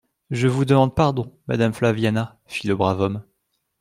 Je vous demande pardon, madame Flaviana,» fit le brave homme.